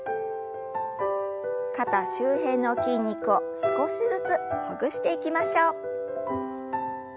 肩周辺の筋肉を少しずつほぐしていきましょう。